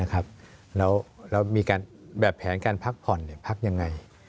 แล้วมีแผนการพักผ่อนพักยังไง